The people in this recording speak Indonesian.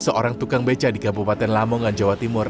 seorang tukang beca di kabupaten lamongan jawa timur